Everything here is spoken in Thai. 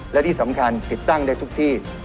และที่สำคัญติดตั้งได้ทุกที่